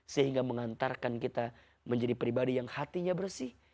sehingga mengantarkan kita menjadi pribadi yang hatinya bersih